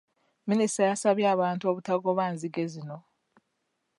Minisita yasabye abantu obutagoba nzige zino.